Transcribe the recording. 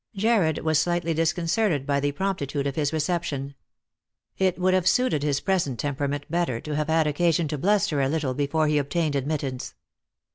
Jarred was slightly disconcerted by the promptitude of his reception. It would have suited his present temperament better to have had occasion to bluster a little before he obtained admittance.